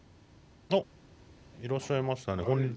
あっいらっしゃいましたねこんにちは。